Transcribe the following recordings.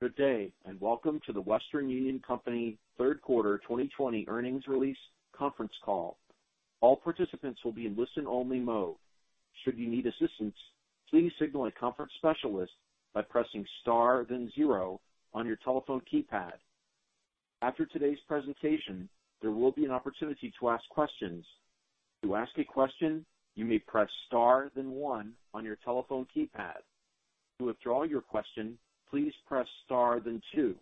Good day, and welcome to The Western Union Company third quarter 2020 earnings release conference call. All participants will be in listen-only mode. Should you need assistance, please signal a conference specialist by pressing star then zero on your telephone keypad. After today's presentation, there will be an opportunity to ask questions. To ask a question, you may press star then one on your telephone keypad. To withdraw your question, please press star then two.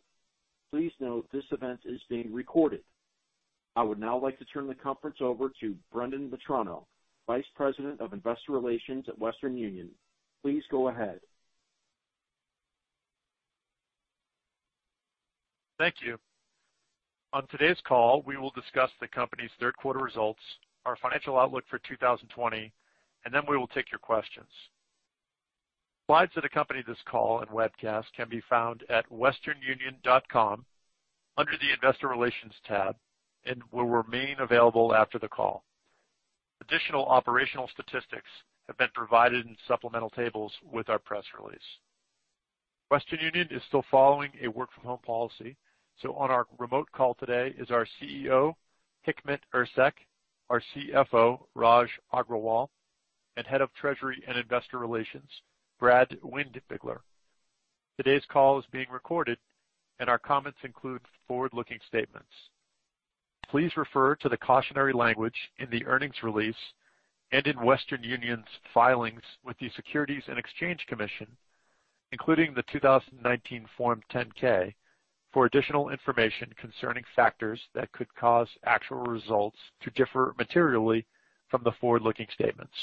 Please note this event is being recorded. I would now like to turn the conference over to Brendan Metrano, Vice President of Investor Relations at Western Union. Please go ahead. Thank you. On today's call, we will discuss the company's third quarter results, our financial outlook for 2020, and then we will take your questions. Slides that accompany this call and webcast can be found at westernunion.com under the Investor Relations tab and will remain available after the call. Additional operational statistics have been provided in supplemental tables with our press release. Western Union is still following a work-from-home policy, so on our remote call today is our CEO, Hikmet Ersek, our CFO, Raj Agrawal, and Head of Treasury and Investor Relations, Brad Windbigler. Today's call is being recorded, and our comments include forward-looking statements. Please refer to the cautionary language in the earnings release and in Western Union's filings with the Securities and Exchange Commission, including the 2019 Form 10-K, for additional information concerning factors that could cause actual results to differ materially from the forward-looking statements.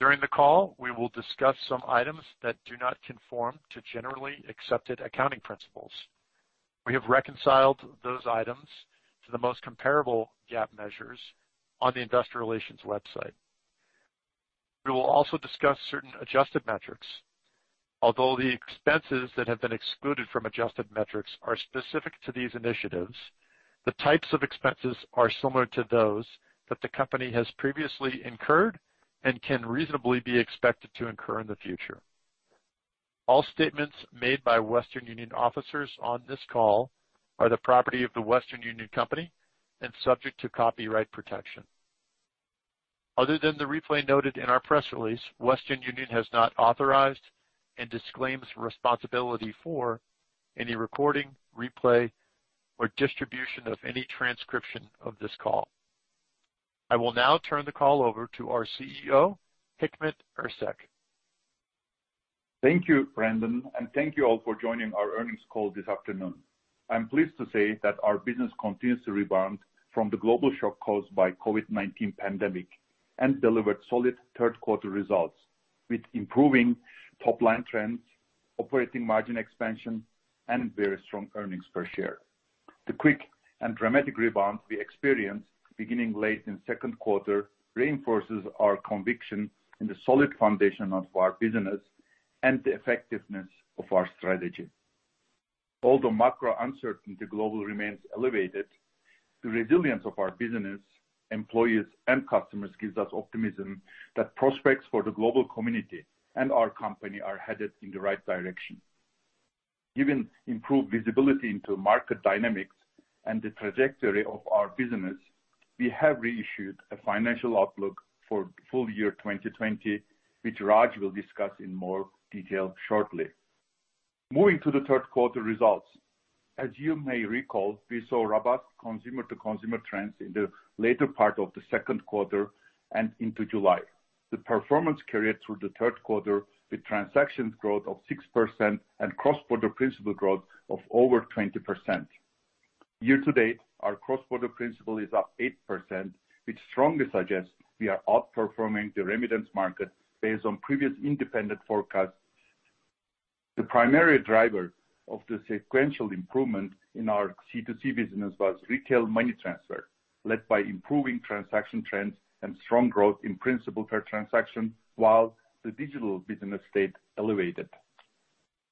During the call, we will discuss some items that do not conform to generally accepted accounting principles. We have reconciled those items to the most comparable GAAP measures on the Investor Relations website. We will also discuss certain adjusted metrics. Although the expenses that have been excluded from adjusted metrics are specific to these initiatives, the types of expenses are similar to those that the company has previously incurred and can reasonably be expected to incur in the future. All statements made by Western Union officers on this call are the property of The Western Union Company and subject to copyright protection. Other than the replay noted in our press release, Western Union has not authorized and disclaims responsibility for any recording, replay, or distribution of any transcription of this call. I will now turn the call over to our CEO, Hikmet Ersek. Thank you, Brendan, thank you all for joining our earnings call this afternoon. I'm pleased to say that our business continues to rebound from the global shock caused by COVID-19 pandemic and delivered solid third-quarter results with improving top-line trends, operating margin expansion, and very strong earnings per share. The quick and dramatic rebound we experienced beginning late in the second quarter reinforces our conviction in the solid foundation of our business and the effectiveness of our strategy. Although macro uncertainty globally remains elevated, the resilience of our business, employees, and customers gives us optimism that prospects for the global community and our company are headed in the right direction. Given improved visibility into market dynamics and the trajectory of our business, we have reissued a financial outlook for full-year 2020, which Raj will discuss in more detail shortly. Moving to the third-quarter results. As you may recall, we saw robust consumer-to-consumer trends in the later part of the second quarter and into July. The performance carried through the third quarter with transactions growth of 6% and cross-border principal growth of over 20%. Year to date, our cross-border principal is up 8%, which strongly suggests we are outperforming the remittance market based on previous independent forecasts. The primary driver of the sequential improvement in our C2C business was retail money transfer, led by improving transaction trends and strong growth in principal per transaction while the digital business stayed elevated.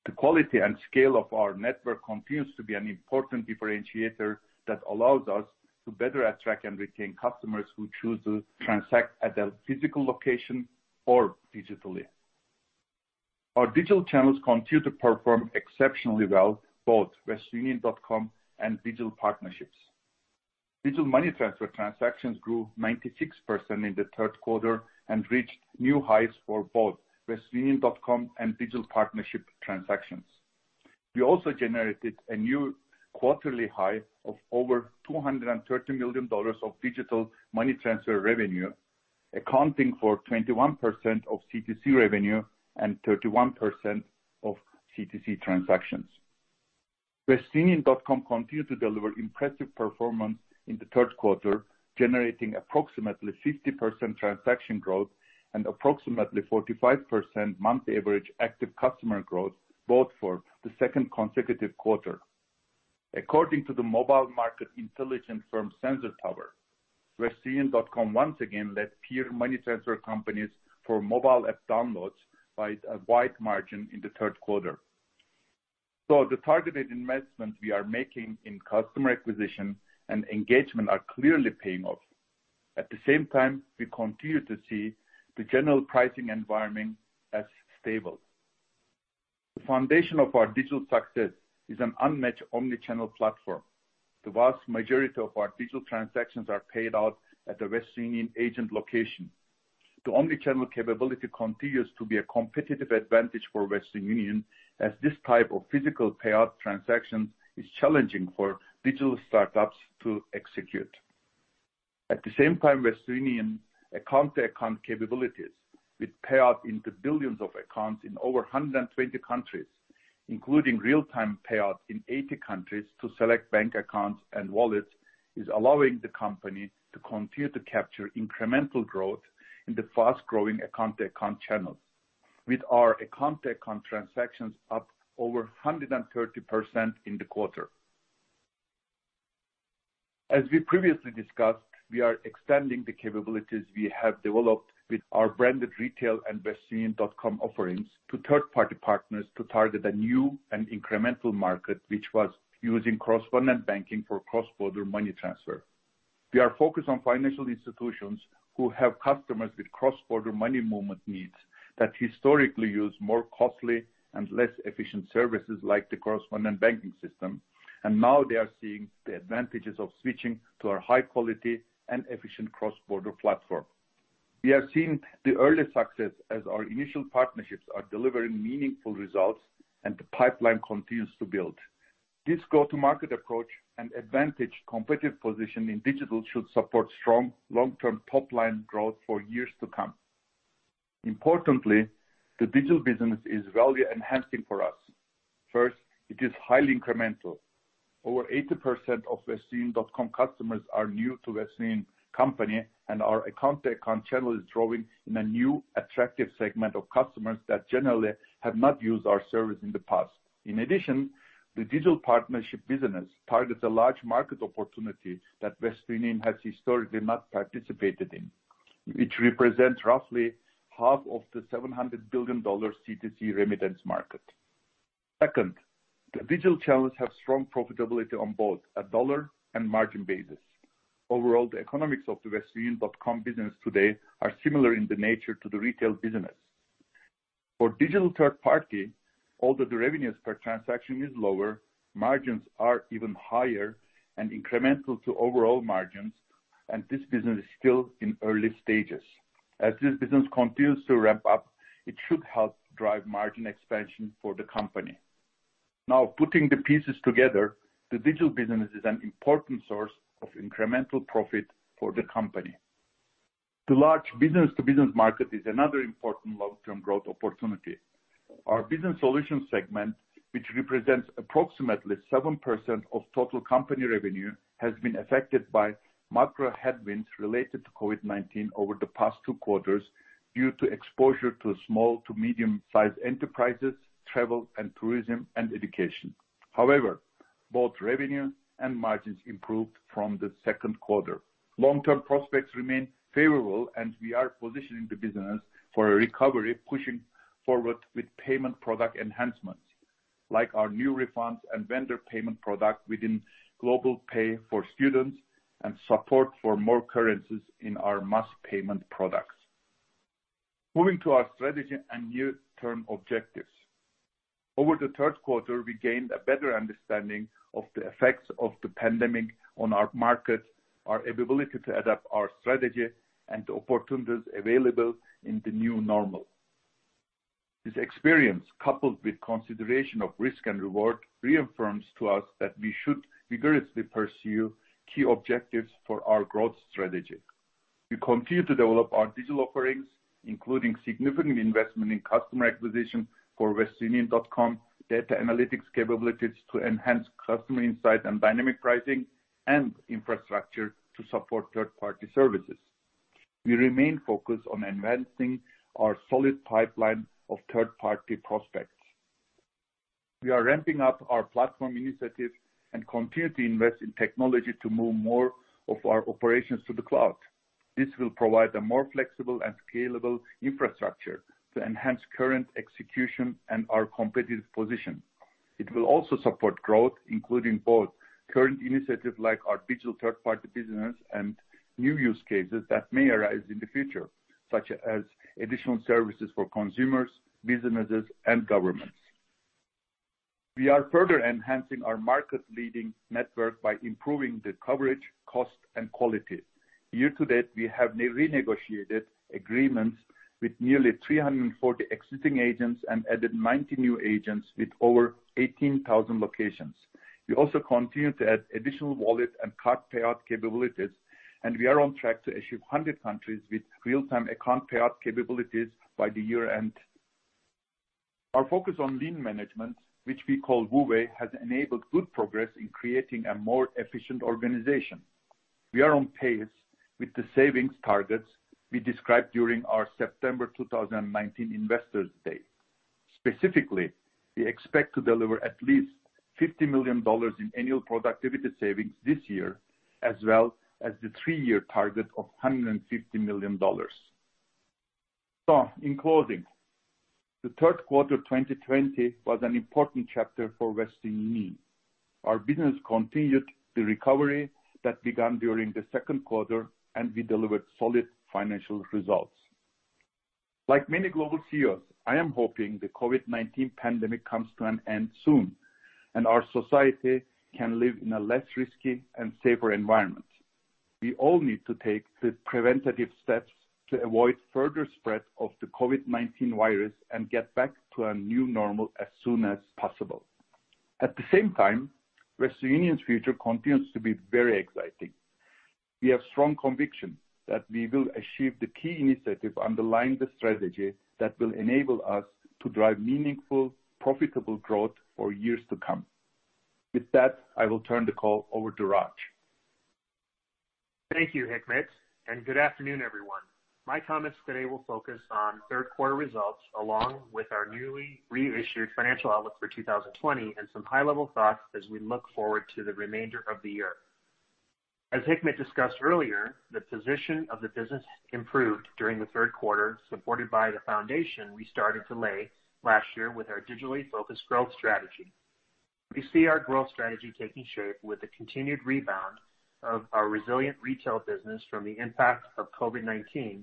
The quality and scale of our network continues to be an important differentiator that allows us to better attract and retain customers who choose to transact at a physical location or digitally. Our digital channels continue to perform exceptionally well, both westernunion.com and digital partnerships. Digital money transfer transactions grew 96% in the third quarter and reached new highs for both westernunion.com and digital partnership transactions. We also generated a new quarterly high of over $230 million of digital money transfer revenue, accounting for 21% of C2C revenue and 31% of C2C transactions. westernunion.com continued to deliver impressive performance in the third quarter, generating approximately 50% transaction growth and approximately 45% month average active customer growth both for the second consecutive quarter. According to the mobile market intelligence firm Sensor Tower, westernunion.com once again led peer money transfer companies for mobile app downloads by a wide margin in the third quarter. The targeted investments we are making in customer acquisition and engagement are clearly paying off. At the same time, we continue to see the general pricing environment as stable. The foundation of our digital success is an unmatched omni-channel platform. The vast majority of our digital transactions are paid out at the Western Union agent location. The omni-channel capability continues to be a competitive advantage for Western Union, as this type of physical payout transaction is challenging for digital startups to execute. At the same time, Western Union account-to-account capabilities, with payout into billions of accounts in over 120 countries, including real-time payout in 80 countries to select bank accounts and wallets, is allowing the company to continue to capture incremental growth in the fast-growing account-to-account channels. With our account-to-account transactions up over 130% in the quarter. As we previously discussed, we are extending the capabilities we have developed with our branded retail and westernunion.com offerings to third-party partners to target a new and incremental market, which was using correspondent banking for cross-border money transfer. We are focused on financial institutions who have customers with cross-border money movement needs that historically use more costly and less efficient services like the correspondent banking system. Now they are seeing the advantages of switching to our high-quality and efficient cross-border platform. We have seen the early success as our initial partnerships are delivering meaningful results and the pipeline continues to build. This go-to-market approach and advantaged competitive position in digital should support strong long-term top-line growth for years to come. Importantly, the digital business is value-enhancing for us. First, it is highly incremental. Over 80% of westernunion.com customers are new to The Western Union Company. Our account-to-account channel is growing in a new attractive segment of customers that generally have not used our service in the past. In addition, the digital partnership business targets a large market opportunity that Western Union has historically not participated in. It represents roughly half of the $700 billion C2C remittance market. Second, the digital channels have strong profitability on both a dollar and margin basis. Overall, the economics of the westernunion.com business today are similar in nature to the retail business. For digital third party, although the revenues per transaction is lower, margins are even higher and incremental to overall margins, and this business is still in early stages. As this business continues to ramp up, it should help drive margin expansion for the company. Now, putting the pieces together, the digital business is an important source of incremental profit for the company. The large business-to-business market is another important long-term growth opportunity. Our Business Solutions segment, which represents approximately 7% of total company revenue, has been affected by macro headwinds related to COVID-19 over the past two quarters due to exposure to small to medium-sized enterprises, travel and tourism, and education. Both revenue and margins improved from the second quarter. Long-term prospects remain favorable, and we are positioning the business for a recovery, pushing forward with payment product enhancements, like our new refunds and vendor payment product within Global Pay for Students and support for more currencies in our mass payment products. Moving to our strategy and near-term objectives. Over the third quarter, we gained a better understanding of the effects of the pandemic on our market, our ability to adapt our strategy, and the opportunities available in the new normal. This experience, coupled with consideration of risk and reward, reaffirms to us that we should vigorously pursue key objectives for our growth strategy. We continue to develop our digital offerings, including significant investment in customer acquisition for westernunion.com, data analytics capabilities to enhance customer insight and dynamic pricing, and infrastructure to support third-party services. We remain focused on advancing our solid pipeline of third-party prospects. We are ramping up our platform initiatives and continue to invest in technology to move more of our operations to the cloud. This will provide a more flexible and scalable infrastructure to enhance current execution and our competitive position. It will also support growth, including both current initiatives like our digital third-party business and new use cases that may arise in the future, such as additional services for consumers, businesses, and governments. We are further enhancing our market-leading network by improving the coverage, cost, and quality. Year to date, we have renegotiated agreements with nearly 340 existing agents and added 90 new agents with over 18,000 locations. We also continue to add additional wallet and card payout capabilities, and we are on track to achieve 100 countries with real-time account payout capabilities by the year-end. Our focus on lean management, which we call WU Way, has enabled good progress in creating a more efficient organization. We are on pace with the savings targets we described during our September 2019 Investors Day. Specifically, we expect to deliver at least $50 million in annual productivity savings this year, as well as the three-year target of $150 million. In closing, the third quarter 2020 was an important chapter for Western Union. Our business continued the recovery that began during the second quarter, and we delivered solid financial results. Like many global CEOs, I am hoping the COVID-19 pandemic comes to an end soon, and our society can live in a less risky and safer environment. We all need to take the preventative steps to avoid further spread of the COVID-19 virus and get back to a new normal as soon as possible. At the same time, Western Union's future continues to be very exciting. We have strong conviction that we will achieve the key initiatives underlying the strategy that will enable us to drive meaningful, profitable growth for years to come. With that, I will turn the call over to Raj. Thank you, Hikmet, and good afternoon, everyone. My comments today will focus on third quarter results, along with our newly reissued financial outlook for 2020, and some high-level thoughts as we look forward to the remainder of the year. As Hikmet discussed earlier, the position of the business improved during the third quarter, supported by the foundation we started to lay last year with our digitally focused growth strategy. We see our growth strategy taking shape with the continued rebound of our resilient retail business from the impact of COVID-19,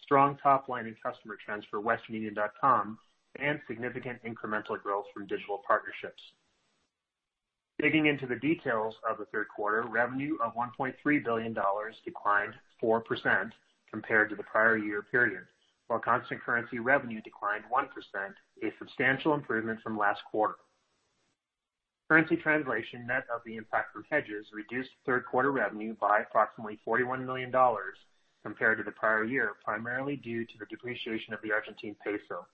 strong top-line and customer trends for westernunion.com, and significant incremental growth from digital partnerships. Digging into the details of the third quarter, revenue of $1.3 billion declined 4% compared to the prior year period, while constant currency revenue declined 1%, a substantial improvement from last quarter. Currency translation net of the impact from hedges reduced third quarter revenue by approximately $41 million compared to the prior year, primarily due to the depreciation of the Argentine peso.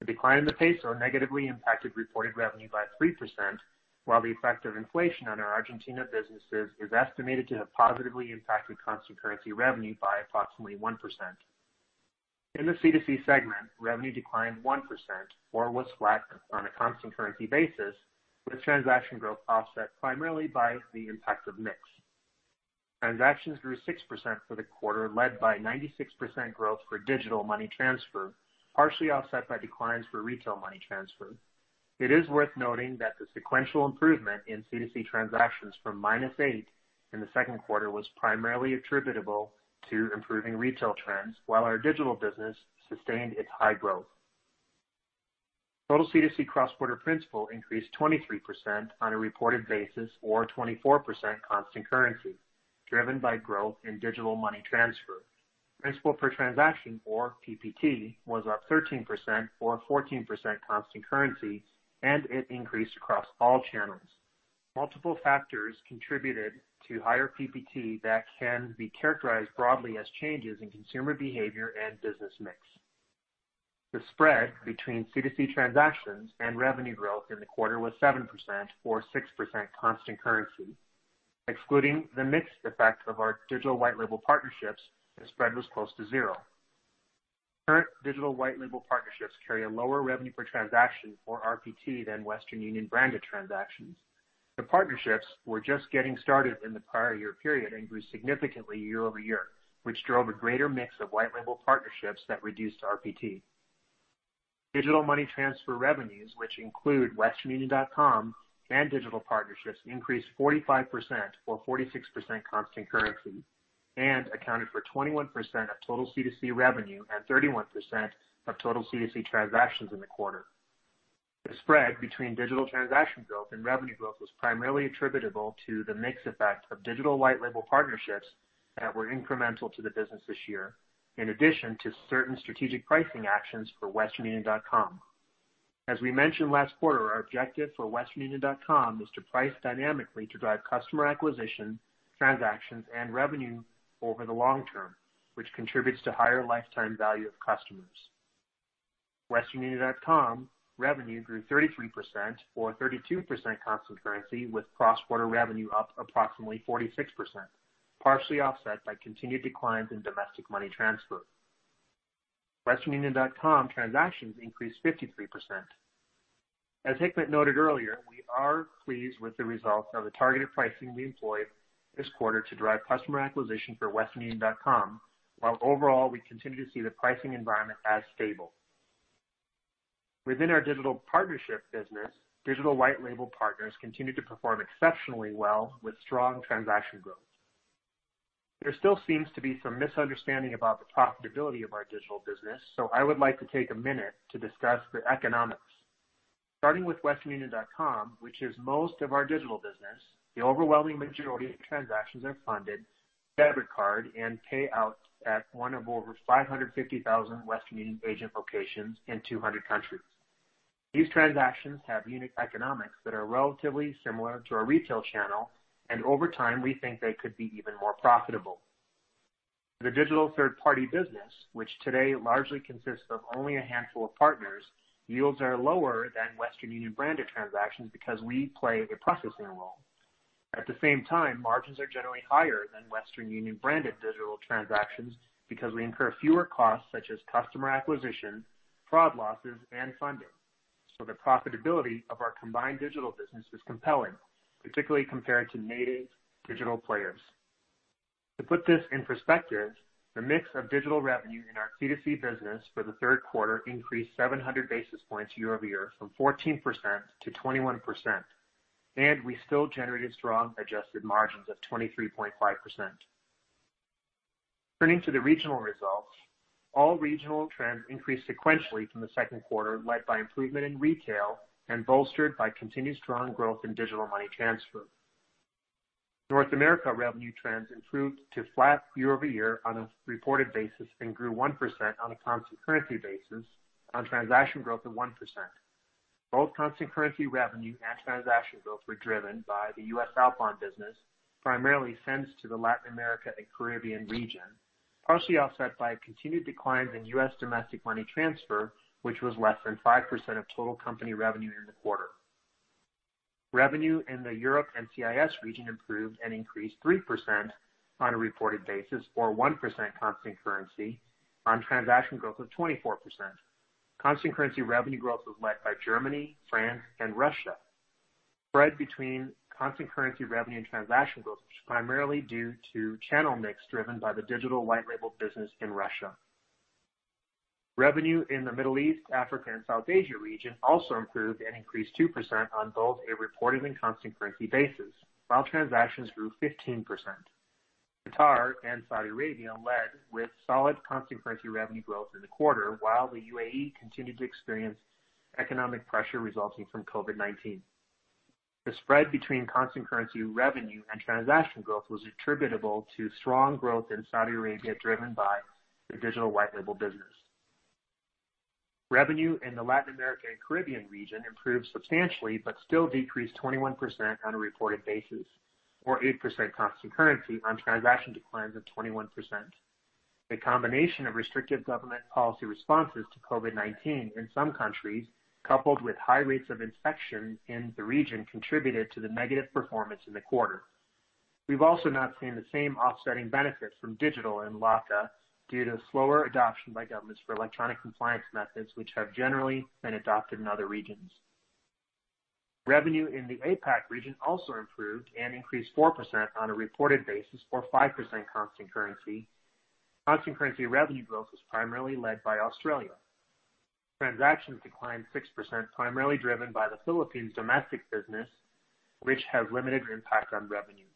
The decline in the peso negatively impacted reported revenue by 3%, while the effect of inflation on our Argentina businesses is estimated to have positively impacted constant currency revenue by approximately 1%. In the C2C segment, revenue declined 1%, or was flat on a constant currency basis, with transaction growth offset primarily by the impact of mix. Transactions grew 6% for the quarter, led by 96% growth for digital money transfer, partially offset by declines for retail money transfer. It is worth noting that the sequential improvement in C2C transactions from -8% in the second quarter was primarily attributable to improving retail trends while our digital business sustained its high growth. Total C2C cross-border principal increased 23% on a reported basis or 24% constant currency, driven by growth in digital money transfer. Principal per transaction or PPT was up 13% or 14% constant currency, and it increased across all channels. Multiple factors contributed to higher PPT that can be characterized broadly as changes in consumer behavior and business mix. The spread between C2C transactions and revenue growth in the quarter was 7% or 6% constant currency. Excluding the mix effect of our digital white label partnerships, the spread was close to zero. Current digital white label partnerships carry a lower revenue per transaction or RPT than Western Union branded transactions. The partnerships were just getting started in the prior year period and grew significantly year-over-year, which drove a greater mix of white label partnerships that reduced RPT. Digital money transfer revenues, which include westernunion.com and digital partnerships, increased 45% or 46% constant currency and accounted for 21% of total C2C revenue and 31% of total C2C transactions in the quarter. The spread between digital transaction growth and revenue growth was primarily attributable to the mix effect of digital white label partnerships that were incremental to the business this year, in addition to certain strategic pricing actions for westernunion.com. As we mentioned last quarter, our objective for westernunion.com was to price dynamically to drive customer acquisition, transactions, and revenue over the long term, which contributes to higher lifetime value of customers. westernunion.com revenue grew 33% or 32% constant currency with cross-border revenue up approximately 46%, partially offset by continued declines in domestic money transfer. westernunion.com transactions increased 53%. As Hikmet noted earlier, we are pleased with the results of the targeted pricing we employed this quarter to drive customer acquisition for westernunion.com while overall, we continue to see the pricing environment as stable. Within our digital partnership business, digital white label partners continued to perform exceptionally well with strong transaction growth. There is still seems to be some misunderstanding about the profitability for our digital business, so I would like to take a minute to discuss the economics. Starting with westernunion.com, which is most of our digital business, the overwhelming majority of transactions are funded, debit card, and pay out at one of over 550,000 Western Union agent locations in 200 countries. These transactions have unique economics that are relatively similar to our retail channel. Over time, we think they could be even more profitable. The digital third-party business, which today largely consists of only a handful of partners, yields are lower than Western Union branded transactions because we play a processing role. At the same time, margins are generally higher than Western Union branded digital transactions because we incur fewer costs such as customer acquisition, fraud losses, and funding. The profitability of our combined digital business is compelling, particularly compared to native digital players. To put this in perspective, the mix of digital revenue in our C2C business for the third quarter increased 700 basis points year-over-year from 14%-21%, and we still generated strong adjusted margins of 23.5%. Turning to the regional results, all regional trends increased sequentially from the second quarter, led by improvement in retail and bolstered by continued strong growth in digital money transfer. North America revenue trends improved to flat year-over-year on a reported basis and grew 1% on a constant currency basis on transaction growth of 1%. Both constant currency revenue and transaction growth were driven by the U.S. outbound business, primarily sends to the Latin America and Caribbean region, partially offset by a continued decline in U.S. domestic money transfer, which was less than 5% of total company revenue in the quarter. Revenue in the Europe and CIS region improved and increased 3% on a reported basis or 1% constant currency on transaction growth of 24%. Constant currency revenue growth was led by Germany, France, and Russia. Spread between constant currency revenue and transaction growth was primarily due to channel mix driven by the digital white label business in Russia. Revenue in the Middle East, Africa, and South Asia region also improved and increased 2% on both a reported and constant currency basis, while transactions grew 15%. Qatar and Saudi Arabia led with solid constant currency revenue growth in the quarter while the UAE continued to experience economic pressure resulting from COVID-19. The spread between constant currency revenue and transaction growth was attributable to strong growth in Saudi Arabia driven by the digital white label business. Revenue in the Latin American and Caribbean region improved substantially but still decreased 21% on a reported basis or 8% constant currency on transaction declines of 21%. The combination of restrictive government policy responses to COVID-19 in some countries, coupled with high rates of infection in the region, contributed to the negative performance in the quarter. We've also not seen the same offsetting benefits from digital in LACA due to slower adoption by governments for electronic compliance methods, which have generally been adopted in other regions. Revenue in the APAC region also improved and increased 4% on a reported basis or 5% constant currency. Constant currency revenue growth was primarily led by Australia. Transactions declined 6%, primarily driven by the Philippines domestic business, which had limited impact on revenue.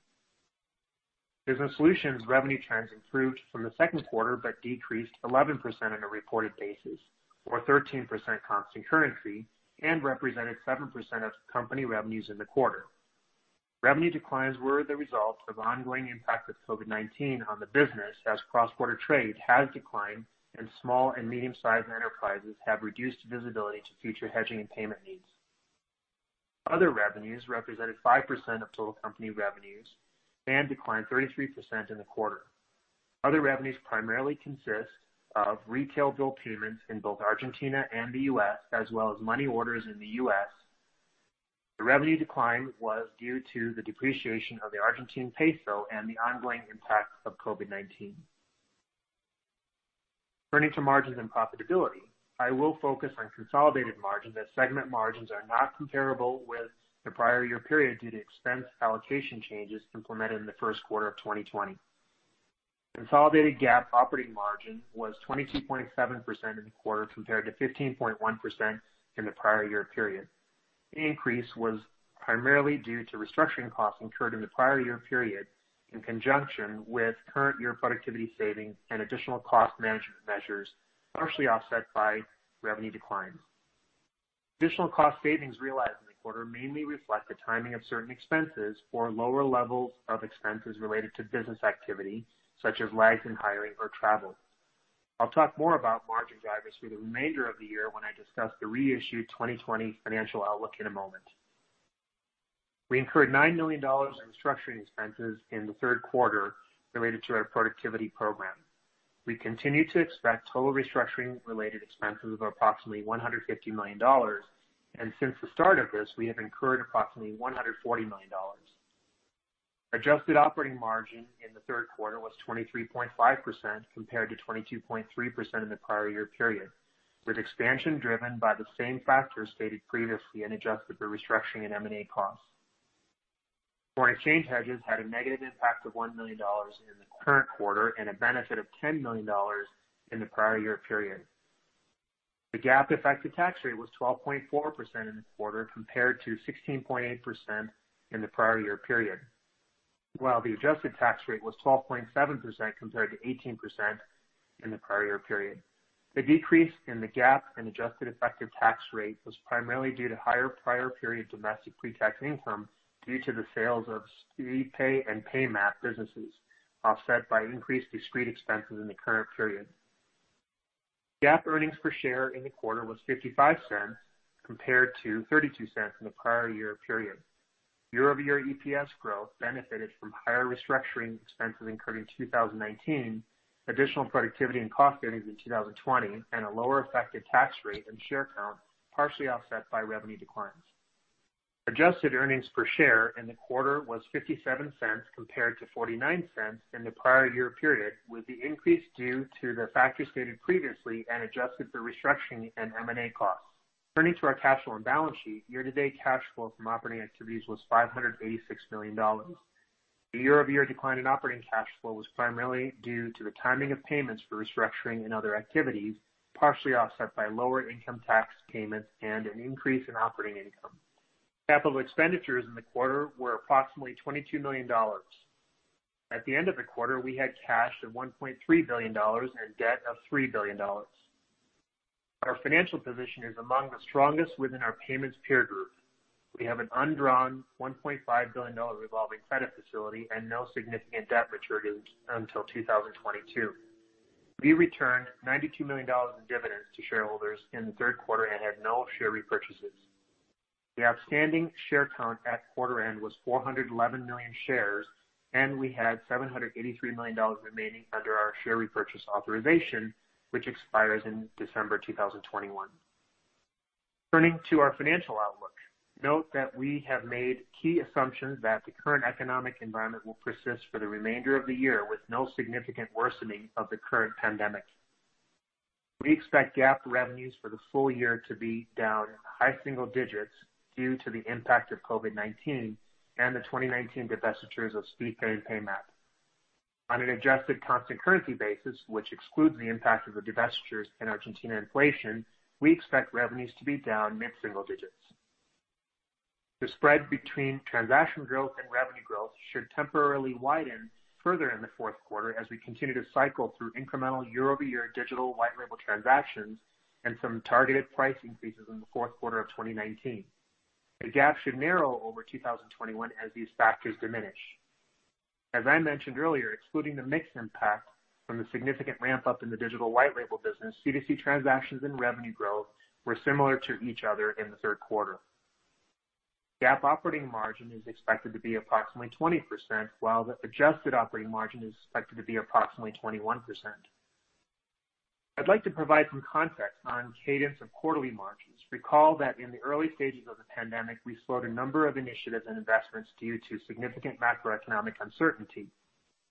Business solutions revenue trends improved from the second quarter but decreased 11% on a reported basis or 13% constant currency and represented 7% of company revenues in the quarter. Revenue declines were the result of ongoing impact of COVID-19 on the business as cross-border trade has declined and small and medium-sized enterprises have reduced visibility to future hedging and payment needs. Other revenues represented 5% of total company revenues and declined 33% in the quarter. Other revenues primarily consist of retail bill payments in both Argentina and the U.S. as well as money orders in the U.S. The revenue decline was due to the depreciation of the Argentine peso and the ongoing impact of COVID-19. Turning to margins and profitability, I will focus on consolidated margins as segment margins are not comparable with the prior year period due to expense allocation changes implemented in the first quarter of 2020. Consolidated GAAP operating margin was 22.7% in the quarter compared to 15.1% in the prior year period. The increase was primarily due to restructuring costs incurred in the prior year period in conjunction with current year productivity savings and additional cost management measures, partially offset by revenue declines. Additional cost savings realized in the quarter mainly reflect the timing of certain expenses or lower levels of expenses related to business activity such as lags in hiring or travel. I'll talk more about margin drivers through the remainder of the year when I discuss the reissued 2020 financial outlook in a moment. We incurred $9 million in restructuring expenses in the third quarter related to our productivity program. We continue to expect total restructuring-related expenses of approximately $150 million, and since the start of this, we have incurred approximately $140 million. Adjusted operating margin in the third quarter was 23.5% compared to 22.3% in the prior year period, with expansion driven by the same factors stated previously and adjusted for restructuring and M&A costs. Foreign exchange hedges had a negative impact of $1 million in the current quarter and a benefit of $10 million in the prior year period. The GAAP effective tax rate was 12.4% in the quarter compared to 16.8% in the prior year period. The adjusted tax rate was 12.7% compared to 18% in the prior year period. The decrease in the GAAP and adjusted effective tax rate was primarily due to higher prior period domestic pre-tax income due to the sales of Speedpay and Paymap businesses, offset by increased discrete expenses in the current period. GAAP earnings per share in the quarter was $0.55 compared to $0.32 in the prior year period. Year-over-year EPS growth benefited from higher restructuring expenses incurred in 2019, additional productivity and cost savings in 2020, and a lower effective tax rate and share count partially offset by revenue declines. Adjusted earnings per share in the quarter was $0.57 compared to $0.49 in the prior year period, with the increase due to the factors stated previously and adjusted for restructuring and M&A costs. Turning to our cash flow and balance sheet, year-to-date cash flow from operating activities was $586 million. The year-over-year decline in operating cash flow was primarily due to the timing of payments for restructuring and other activities, partially offset by lower income tax payments and an increase in operating income. Capital expenditures in the quarter were approximately $22 million. At the end of the quarter, we had cash of $1.3 billion and debt of $3 billion. Our financial position is among the strongest within our payments peer group. We have an undrawn $1.5 billion revolving credit facility and no significant debt maturities until 2022. We returned $92 million in dividends to shareholders in the third quarter and had no share repurchases. The outstanding share count at quarter end was 411 million shares, and we had $783 million remaining under our share repurchase authorization, which expires in December 2021. Turning to our financial outlook. Note that we have made key assumptions that the current economic environment will persist for the remainder of the year with no significant worsening of the current pandemic. We expect GAAP revenues for the full year to be down in high single digits due to the impact of COVID-19 and the 2019 divestitures of Speedpay and Paymap. On an adjusted constant currency basis, which excludes the impact of the divestitures and Argentina inflation, we expect revenues to be down mid-single digits. The spread between transaction growth and revenue growth should temporarily widen further in the fourth quarter as we continue to cycle through incremental year-over-year digital white label transactions and some targeted price increases in the fourth quarter of 2019. The gap should narrow over 2021 as these factors diminish. As I mentioned earlier, excluding the mix impact from the significant ramp-up in the digital white label business, C2C transactions and revenue growth were similar to each other in the third quarter. GAAP operating margin is expected to be approximately 20%, while the adjusted operating margin is expected to be approximately 21%. I'd like to provide some context on cadence of quarterly margins. Recall that in the early stages of the pandemic, we slowed a number of initiatives and investments due to significant macroeconomic uncertainty.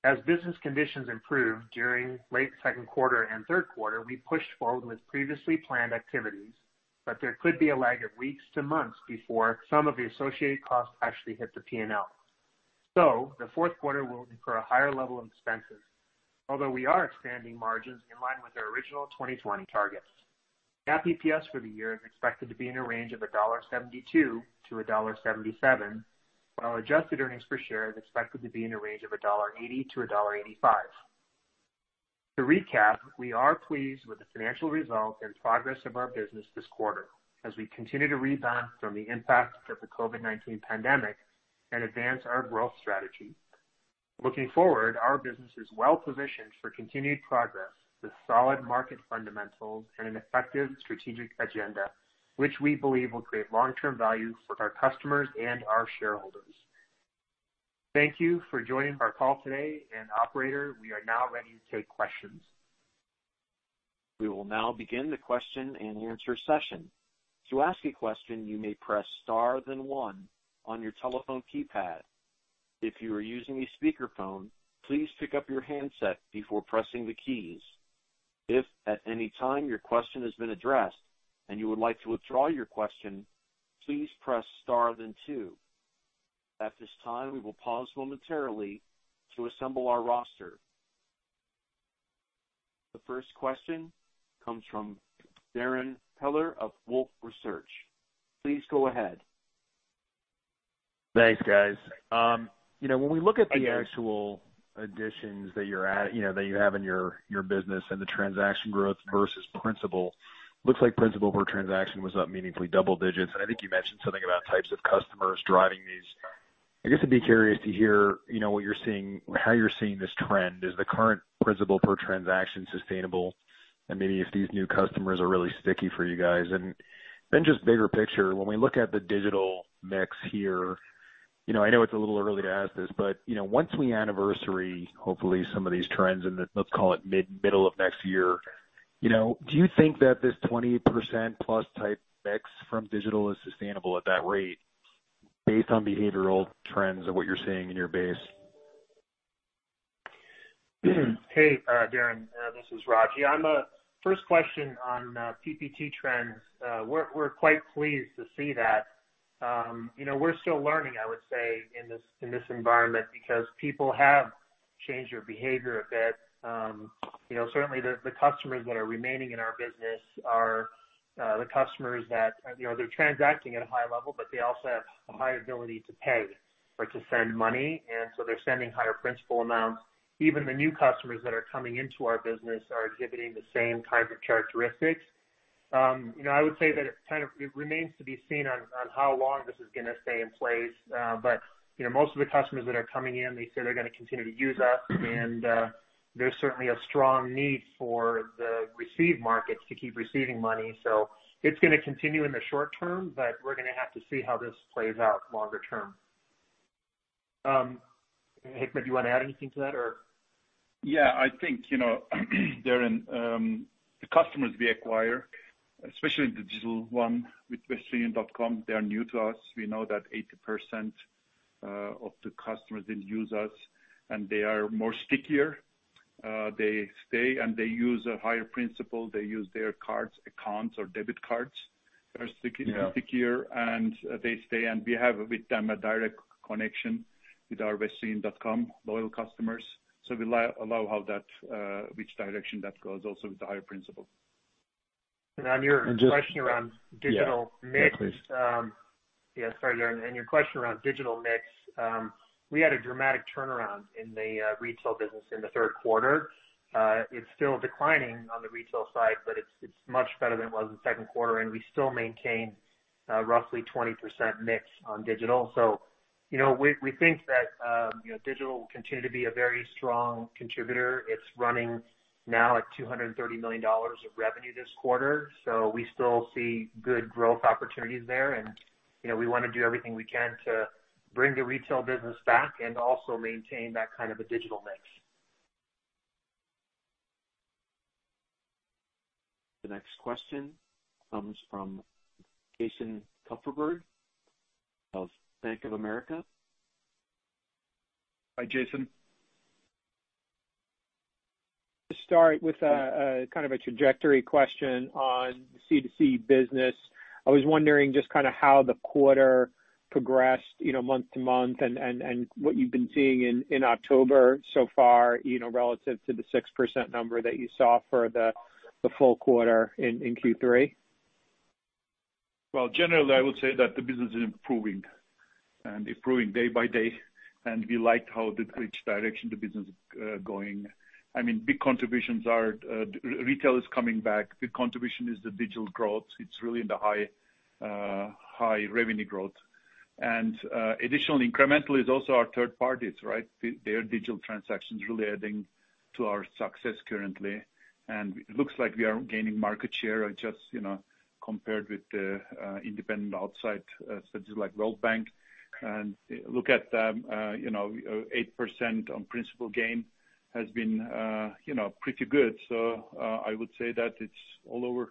As business conditions improved during late second quarter and third quarter, we pushed forward with previously planned activities, but there could be a lag of weeks to months before some of the associated costs actually hit the P&L. The fourth quarter will incur a higher level of expenses, although we are expanding margins in line with our original 2020 targets. GAAP EPS for the year is expected to be in a range of $1.72-$1.77, while adjusted earnings per share is expected to be in a range of $1.80-$1.85. To recap, we are pleased with the financial results and progress of our business this quarter as we continue to rebound from the impact of the COVID-19 pandemic and advance our growth strategy. Looking forward, our business is well-positioned for continued progress with solid market fundamentals and an effective strategic agenda, which we believe will create long-term value for our customers and our shareholders. Thank you for joining our call today, and operator, we are now ready to take questions. We will now begin the question-and-answer session. To ask a question, you may press star, then one on your telephone keypad. If you are using a speakerphone, please pick up your handset before pressing the keys. If at any time your question has been addressed and you would like to withdraw your question, please press star, then two. At this time, we will pause momentarily to assemble our roster. The first question comes from Darrin Peller of Wolfe Research. Please go ahead. Thanks, guys. When we look at the actual additions that you have in your business and the transaction growth versus principal, looks like principal per transaction was up meaningfully double digits, and I think you mentioned something about types of customers driving these. I guess I'd be curious to hear how you're seeing this trend. Is the current principal per transaction sustainable? Maybe if these new customers are really sticky for you guys. Just bigger picture, when we look at the digital mix here, I know it's a little early to ask this, but once we anniversary, hopefully some of these trends in the, let's call it middle of next year, do you think that this 20%+ type mix from digital is sustainable at that rate based on behavioral trends of what you're seeing in your base? Hey, Darrin. This is Raj. On the first question on PPT trends, we're quite pleased to see that. We're still learning, I would say, in this environment because people have changed their behavior a bit. Certainly the customers that are remaining in our business are the customers that are transacting at a high level, but they also have a high ability to pay or to send money, and so they're sending higher principal amounts. Even the new customers that are coming into our business are exhibiting the same type of characteristics. I would say that it remains to be seen on how long this is going to stay in place. Most of the customers that are coming in, they say they're going to continue to use us, and there's certainly a strong need for the receive markets to keep receiving money. It's going to continue in the short term, but we're going to have to see how this plays out longer term. Hikmet, do you want to add anything to that or? I think, Darrin, the customers we acquire, especially in the digital one with westernunion.com, they are new to us. We know that 80% of the customers, they use us, and they are stickier. They stay and they use a higher principal. They use their cards, accounts, or debit cards. They are stickier. Yeah. They stay. We have with them a direct connection with our westernunion.com loyal customers. We allow which direction that goes also with the higher principal. On your question around digital mix. Yeah, please. Yeah, sorry, Darrin. Your question around digital mix. We had a dramatic turnaround in the retail business in the third quarter. It's still declining on the retail side, but it's much better than it was the second quarter, and we still maintain roughly 20% mix on digital. We think that digital will continue to be a very strong contributor. It's running now at $230 million of revenue this quarter. We still see good growth opportunities there, and we want to do everything we can to bring the retail business back and also maintain that kind of a digital mix. The next question comes from Jason Kupferberg of Bank of America. Hi, Jason. To start with a kind of a trajectory question on C2C business. I was wondering just how the quarter progressed month-over-month and what you've been seeing in October so far, relative to the 6% number that you saw for the full quarter in Q3. Generally, I would say that the business is improving day by day. We like which direction the business is going. Big contributions are, retail is coming back. Big contribution is the digital growth. It's really in the high revenue growth. Additional incremental is also our third parties, right? Their digital transactions really adding to our success currently. It looks like we are gaining market share compared with the independent outside, such as like World Bank. Look at 8% on principal gain has been pretty good. I would say that it's all over.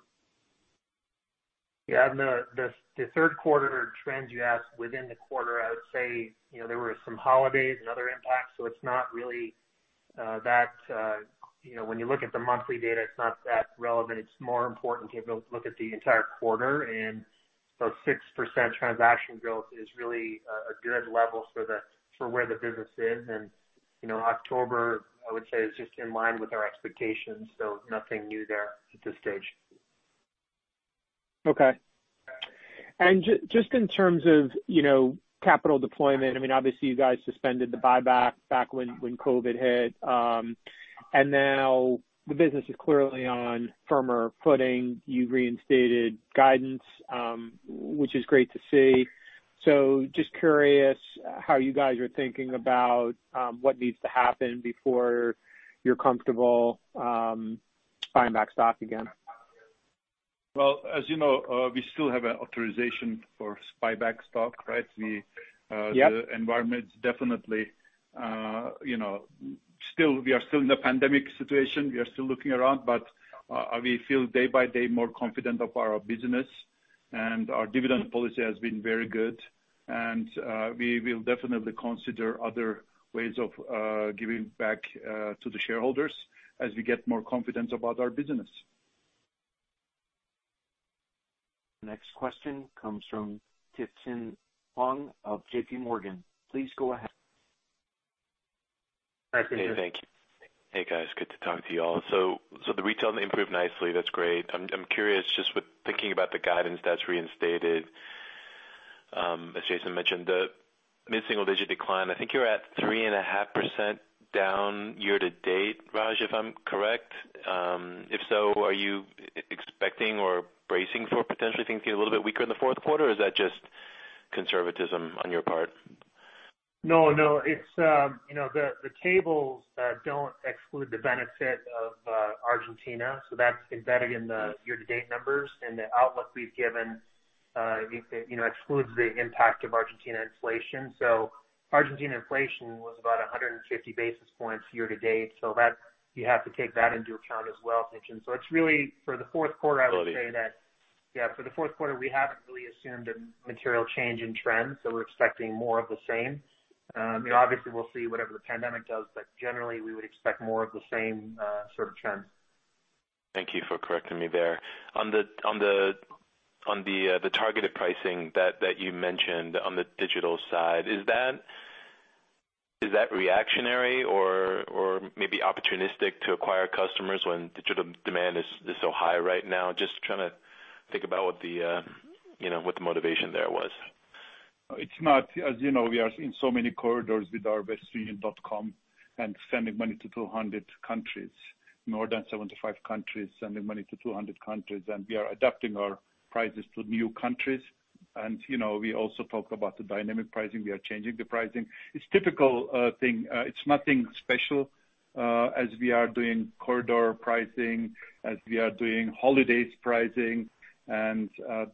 Yeah, the third quarter trends you asked within the quarter, I would say, there were some holidays and other impacts, so when you look at the monthly data, it's not that relevant. It's more important to be able to look at the entire quarter. 6% transaction growth is really a good level for where the business is. October, I would say, is just in line with our expectations. Nothing new there at this stage. Okay. Just in terms of capital deployment, obviously you guys suspended the buyback back when COVID hit. Now the business is clearly on firmer footing. You reinstated guidance, which is great to see. Just curious how you guys are thinking about what needs to happen before you're comfortable buying back stock again. As you know, we still have authorization for buyback stock, right? Yep. We are still in the pandemic situation. We are still looking around. We feel day by day more confident of our business, and our dividend policy has been very good. We will definitely consider other ways of giving back to the shareholders as we get more confidence about our business. Next question comes from Tien-Tsin Huang of JPMorgan. Please go ahead. Hi, Tien-Tsin. Hey. Thank you. Hey, guys. Good to talk to you all. The retail improved nicely. That's great. I'm curious just with thinking about the guidance that's reinstated. As Jason mentioned, the mid-single digit decline, I think you're at 3.5% down year to date, Raj, if I'm correct. If so, are you expecting or bracing for potentially things to get a little bit weaker in the fourth quarter? Or is that just conservatism on your part? No. The tables don't exclude the benefit of Argentina, so that's embedded in the year-to-date numbers. The outlook we've given excludes the impact of Argentina inflation. Argentina inflation was about 150 basis points year to date, so you have to take that into account as well, Tien-Tsin. For the fourth quarter, we haven't really assumed a material change in trends, so we're expecting more of the same. Obviously, we'll see whatever the pandemic does, but generally, we would expect more of the same sort of trend. Thank you for correcting me there. On the targeted pricing that you mentioned on the digital side, is that reactionary or maybe opportunistic to acquire customers when digital demand is so high right now? Just trying to think about what the motivation there was. It's not. As you know, we are in so many corridors with our westernunion.com and sending money to 200 countries. More than 75 countries, sending money to 200 countries. We are adapting our prices to new countries. We also talk about the dynamic pricing. We are changing the pricing. It's typical thing. It's nothing special. As we are doing corridor pricing, as we are doing holidays pricing,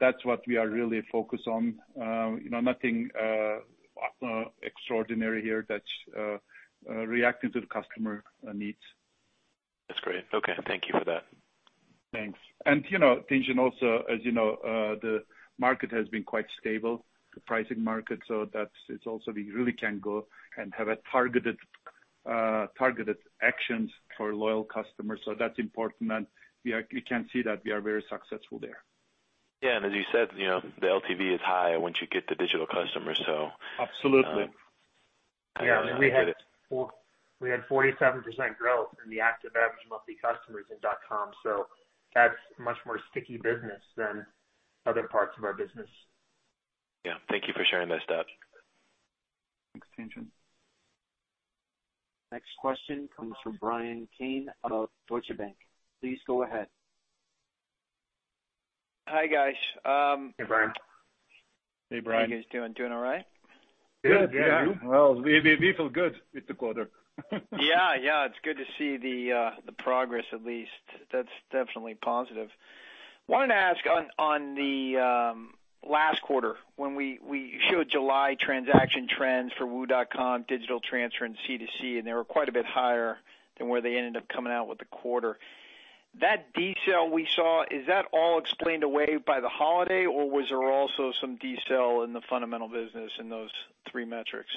that's what we are really focused on. Nothing extraordinary here that's reacting to the customer needs. That's great. Okay. Thank you for that. Thanks. Also, as you know, the market has been quite stable, the pricing market. That's it also we really can go and have a targeted actions for loyal customers. That's important, and you can see that we are very successful there. Yeah. As you said, the LTV is high once you get the digital customer. Absolutely. I get it. Yeah. We had 47% growth in the active average monthly customers in .com, that's much more sticky business than other parts of our business. Yeah. Thank you for sharing those stats. Thanks, Tien-Tsin. Next question comes from Bryan Keane of Deutsche Bank. Please go ahead. Hi, guys. Hey, Bryan. Hey, Bryan. How you guys doing? Doing all right? Good. Yeah. Yeah. Well, we feel good with the quarter. Yeah. It's good to see the progress at least. That's definitely positive. Wanted to ask on the last quarter, when we showed July transaction trends for wu.com, digital transfer, and C2C, and they were quite a bit higher than where they ended up coming out with the quarter. That detail we saw, is that all explained away by the holiday, or was there also some detail in the fundamental business in those three metrics?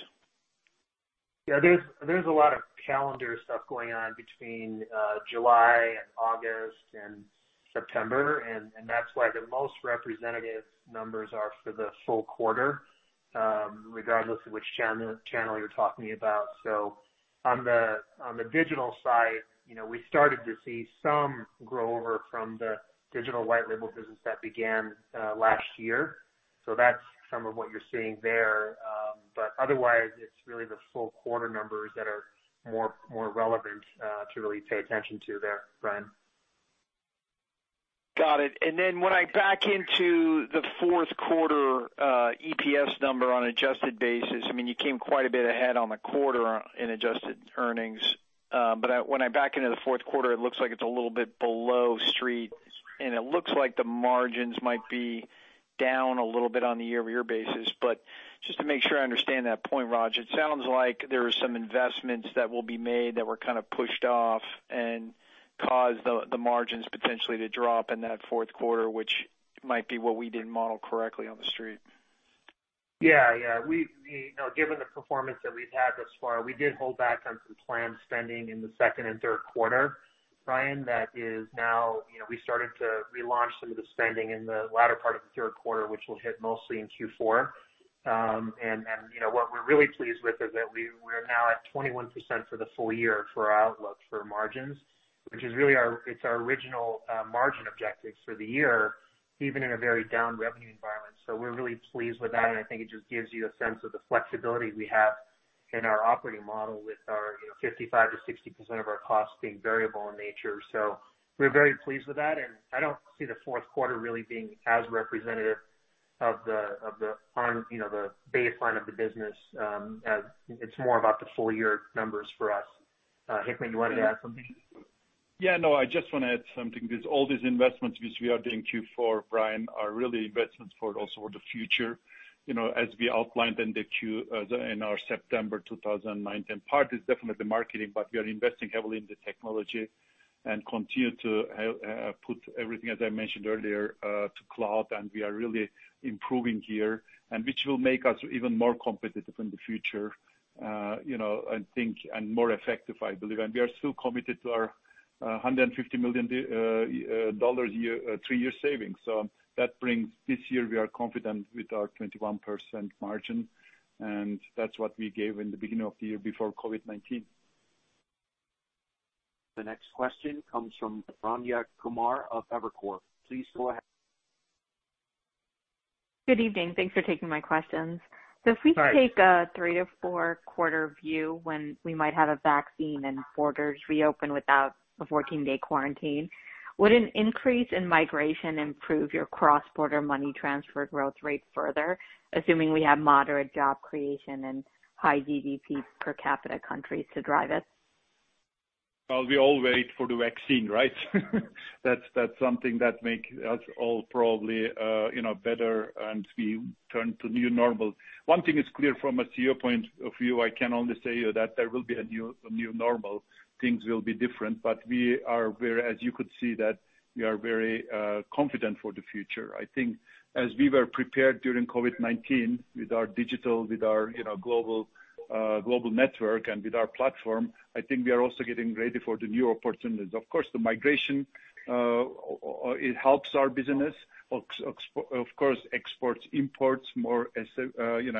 There's a lot of calendar stuff going on between July, August and September, and that's why the most representative numbers are for the full quarter, regardless of which channel you're talking about. On the digital side, we started to see some grow over from the digital white label business that began last year. That's some of what you're seeing there. Otherwise, it's really the full quarter numbers that are more relevant to really pay attention to there, Bryan. Got it. When I back into the fourth quarter EPS number on adjusted basis, you came quite a bit ahead on the quarter in adjusted earnings. When I back into the fourth quarter, it looks like it's a little bit below Street, and it looks like the margins might be down a little bit on the year-over-year basis. Just to make sure I understand that point, Raj, it sounds like there are some investments that will be made that were pushed off and caused the margins potentially to drop in that fourth quarter, which might be what we didn't model correctly on the Street. Yeah. Given the performance that we've had thus far, we did hold back on some planned spending in the second and third quarter, Bryan. That is now we started to relaunch some of the spending in the latter part of the third quarter, which will hit mostly in Q4. What we're really pleased with is that we're now at 21% for the full year for our outlook for margins, which is really our original margin objective for the year, even in a very down revenue environment. We're really pleased with that, and I think it just gives you a sense of the flexibility we have in our operating model with our 55%-60% of our costs being variable in nature. We're very pleased with that, and I don't see the fourth quarter really being as representative of the baseline of the business. It's more about the full-year numbers for us. Hikmet, you wanted to add something? Yeah, no, I just want to add something. All these investments which we are doing Q4, Bryan, are really investments for also for the future. As we outlined in our September 2019 part, it's definitely the marketing, but we are investing heavily in the technology and continue to put everything, as I mentioned earlier, to cloud, and we are really improving here, and which will make us even more competitive in the future, I think, and more effective, I believe. We are still committed to our $150 million three-year savings. That brings this year we are confident with our 21% margin, and that's what we gave in the beginning of the year before COVID-19. The next question comes from Rayna Kumar of Evercore. Please go ahead. Good evening. Thanks for taking my questions. Hi. If we take a three to four-quarter view when we might have a vaccine and borders reopen without a 14-day quarantine, would an increase in migration improve your cross-border money transfer growth rate further, assuming we have moderate job creation and high GDP per capita countries to drive it? We all wait for the vaccine, right? That's something that make us all probably better and we turn to new normal. One thing is clear from a CEO point of view, I can only say that there will be a new normal. Things will be different. We are where, as you could see that we are very confident for the future. I think as we were prepared during COVID-19 with our digital, with our global network, and with our platform, I think we are also getting ready for the new opportunities. Of course, the migration, it helps our business. Of course, exports, imports, more SME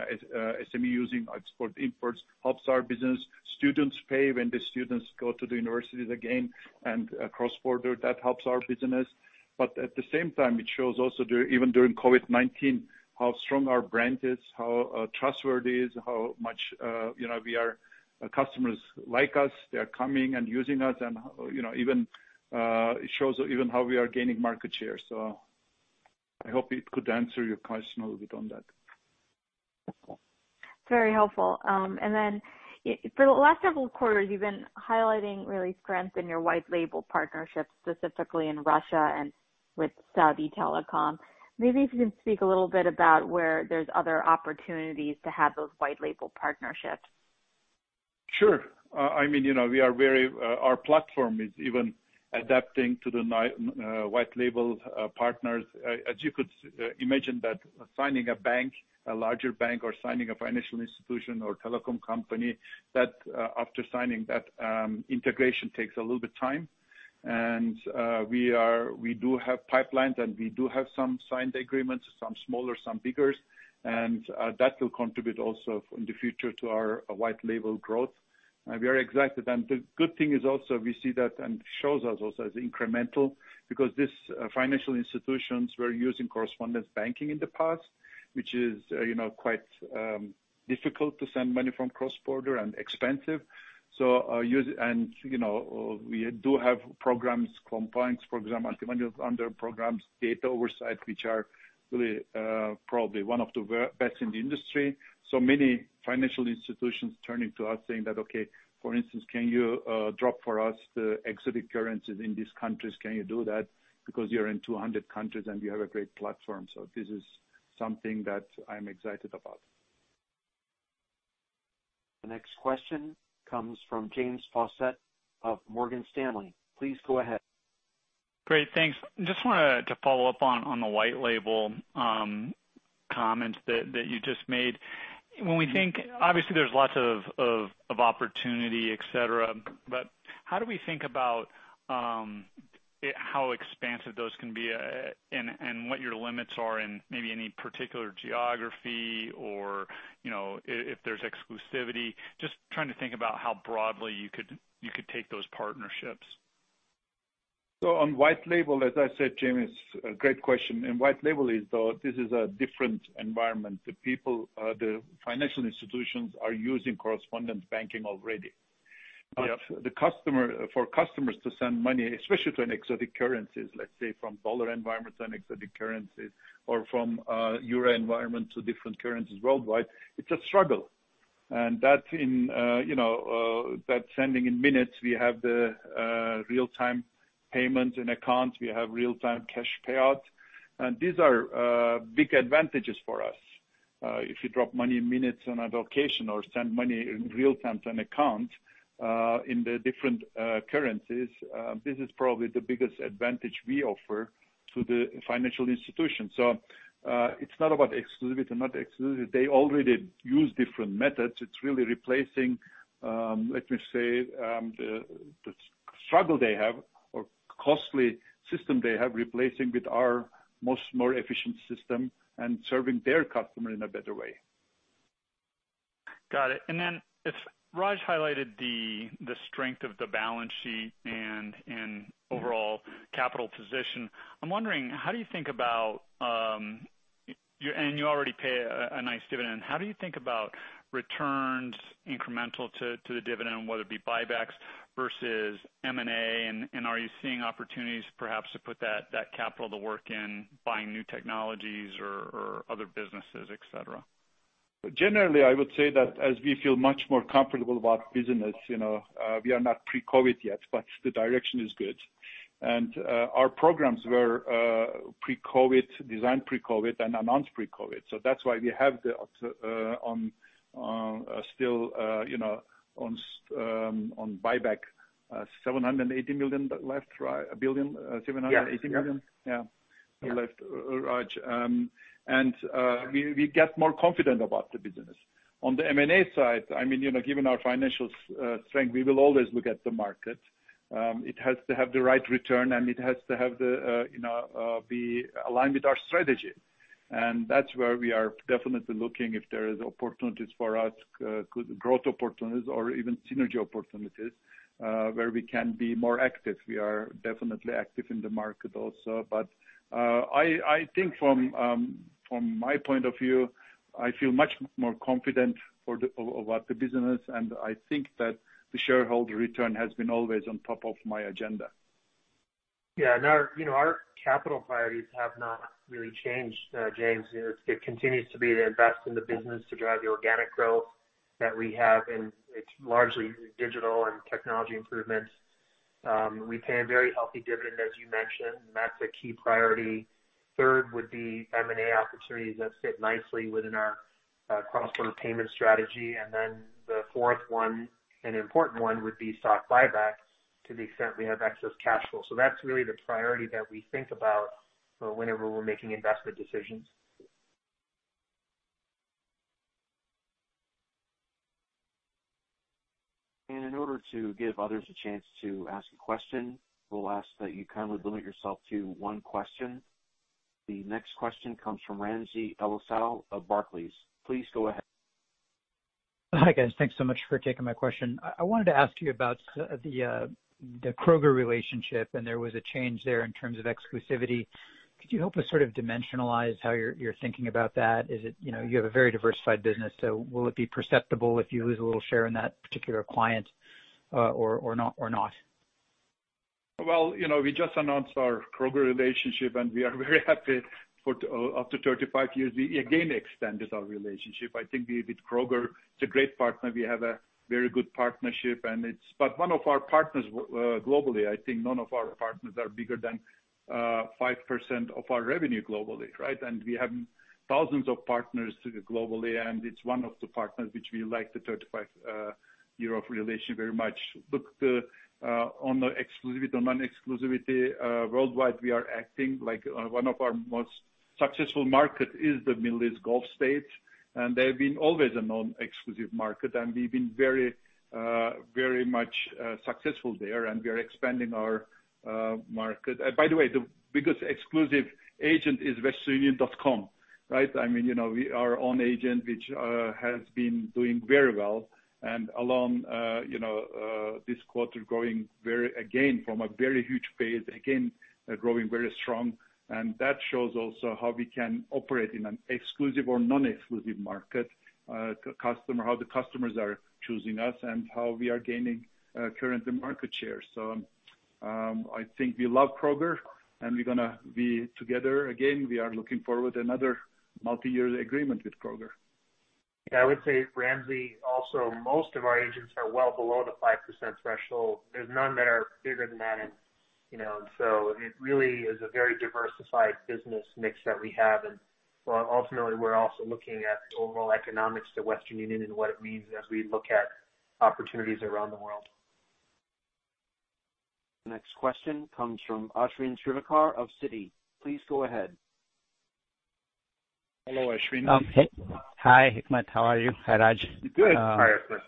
using export, imports helps our business. Students pay when the students go to the universities again and cross-border, that helps our business. At the same time, it shows also even during COVID-19 how strong our brand is, how trustworthy is, how much our customers like us. They are coming and using us, and it shows even how we are gaining market share. I hope it could answer your question a little bit on that. It's very helpful. For the last several quarters, you've been highlighting real strength in your white label partnerships, specifically in Russia and with Saudi Telecom. Maybe if you can speak a little bit about where there's other opportunities to have those white label partnerships. Sure. Our platform is even adapting to the white label partners. As you could imagine that signing a bank, a larger bank, or signing a financial institution or telecom company, that after signing, that integration takes a little bit time. We do have pipelines, and we do have some signed agreements, some smaller, some bigger, and that will contribute also in the future to our white label growth. We are excited. The good thing is also we see that and shows us also as incremental because these financial institutions were using correspondent banking in the past, which is quite difficult to send money from cross-border and expensive. We do have programs, compliance program, anti-money laundering programs, data oversight, which are really probably one of the best in the industry. Many financial institutions turning to us saying that, okay, for instance, can you drop for us the exotic currencies in these countries? Can you do that? Because you're in 200 countries, and you have a great platform. This is something that I'm excited about. The next question comes from James Faucette of Morgan Stanley. Please go ahead. Great. Thanks. Just wanted to follow up on the white label comment that you just made. Obviously, there's lots of opportunity, et cetera, but how do we think about how expansive those can be and what your limits are in maybe any particular geography or if there's exclusivity? Just trying to think about how broadly you could take those partnerships. On white label, as I said, James, great question. White label is, this is a different environment. The financial institutions are using correspondent banking already. Yes. For customers to send money, especially to an exotic currencies, let's say from dollar environments and exotic currencies or from euro environment to different currencies worldwide, it's a struggle. That sending in minutes, we have the real-time payments in accounts. We have real-time cash payouts. These are big advantages for us. If you drop money in minutes on a location or send money in real-time to an account, in the different currencies, this is probably the biggest advantage we offer to the financial institution. It's not about exclusive or not exclusive. They already use different methods. It's really replacing, let me say, the struggle they have or costly system they have, replacing with our much more efficient system and serving their customer in a better way. Got it. Raj highlighted the strength of the balance sheet and overall capital position. I'm wondering, and you already pay a nice dividend, how do you think about returns incremental to the dividend, whether it be buybacks versus M&A, and are you seeing opportunities perhaps to put that capital to work in buying new technologies or other businesses, et cetera? Generally, I would say that as we feel much more comfortable about business, we are not pre-COVID yet, but the direction is good. Our programs were designed pre-COVID and announced pre-COVID. That's why we have on buyback $780 million left, Raj? 1 billion? $780 million? Yeah Raj. We get more confident about the business. On the M&A side, given our financial strength, we will always look at the market. It has to have the right return, and it has to be aligned with our strategy. That's where we are definitely looking, if there is opportunities for us, good growth opportunities or even synergy opportunities, where we can be more active. We are definitely active in the market also. I think from my point of view, I feel much more confident about the business, and I think that the shareholder return has been always on top of my agenda. Yeah. Our capital priorities have not really changed, James. It continues to be to invest in the business to drive the organic growth that we have, and it's largely digital and technology improvements. We pay a very healthy dividend, as you mentioned, that's a key priority. Third would be M&A opportunities that fit nicely within our cross-border payment strategy. The fourth one, an important one, would be stock buyback to the extent we have excess cash flow. That's really the priority that we think about whenever we're making investment decisions. In order to give others a chance to ask a question, we'll ask that you kindly limit yourself to one question. The next question comes from Ramsey El-Assal of Barclays. Please go ahead. Hi, guys. Thanks so much for taking my question. I wanted to ask you about the Kroger relationship, and there was a change there in terms of exclusivity. Could you help us sort of dimensionalize how you're thinking about that? You have a very diversified business, so will it be perceptible if you lose a little share in that particular client, or not? Well, we just announced our Kroger relationship, and we are very happy after 35 years, we again extended our relationship. I think with Kroger, it's a great partner. We have a very good partnership, but one of our partners globally, I think none of our partners are bigger than 5% of our revenue globally, right? We have thousands of partners globally, and it's one of the partners which we like, the 35 year of relation very much. Look, on the exclusivity, non-exclusivity, worldwide, we are acting like one of our most successful market is the Middle East Gulf states, and they've been always a non-exclusive market, and we've been very much successful there. We are expanding our market. By the way, the biggest exclusive agent is westernunion.com, right? Our own agent, which has been doing very well, and along this quarter, again, from a very huge base, again, growing very strong. That shows also how we can operate in an exclusive or non-exclusive market, how the customers are choosing us, and how we are gaining current market share. I think we love Kroger, and we're going to be together again. We are looking forward to another multiyear agreement with Kroger. I would say Ramsey also, most of our agents are well below the 5% threshold. There's none that are bigger than that. It really is a very diversified business mix that we have. Ultimately, we're also looking at the overall economics to Western Union and what it means as we look at opportunities around the world. The next question comes from Ashwin Shirvaikar of Citi. Please go ahead. Hello, Ashwin. Hi, Hikmet. How are you? Hi, Raj. Good. Hi, Ashwin.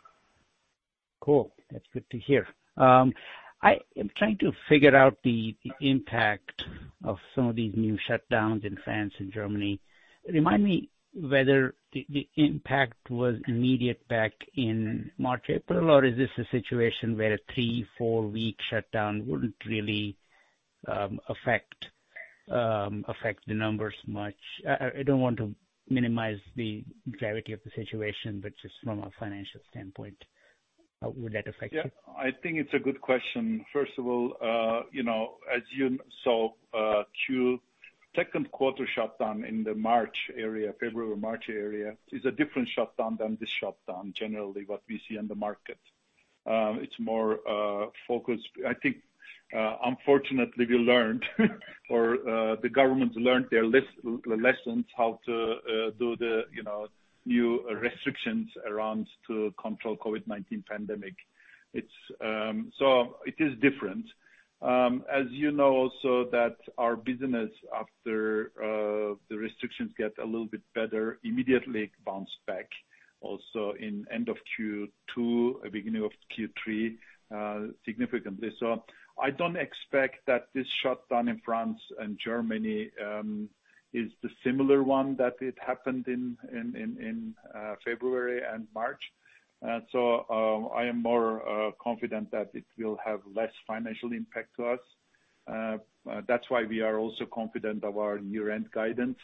Cool. That's good to hear. I am trying to figure out the impact of some of these new shutdowns in France and Germany. Remind me whether the impact was immediate back in March, April, or is this a situation where a three, four-week shutdown wouldn't really affect the numbers much? I don't want to minimize the gravity of the situation, but just from a financial standpoint, how would that affect you? Yeah, I think it's a good question. First of all, as you saw, second quarter shutdown in the February, March area is a different shutdown than this shutdown. Generally, what we see in the market, it's more focused. I think, unfortunately, we learned or the government learned their lessons how to do the new restrictions around to control COVID-19 pandemic. It is different. As you know also that our business, after the restrictions get a little bit better, immediately bounced back also in end of Q2 and beginning of Q3, significantly. I don't expect that this shutdown in France and Germany is the similar one that it happened in February and March. I am more confident that it will have less financial impact to us. That's why we are also confident of our year-end guidance.